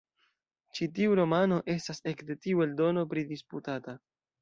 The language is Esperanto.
Ĉi tiu romano estas ekde tiu eldono pridisputata.